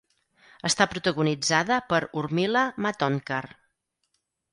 Està protagonitzada per Urmila Matondkar.